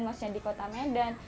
maksudnya di kota medan